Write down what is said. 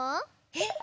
えっ？